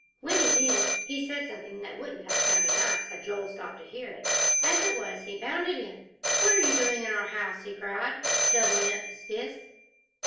When he did, he said something that wouldn't have sounded nice had Joel stopped to hear it. As it was, he bounded in. "What are you doing in our house?" he cried, doubling up his fists.